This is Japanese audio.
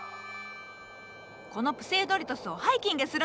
このプセウドリトスをハイキングするのじゃ！